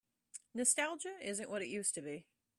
Nostalgia isn't what it used to be.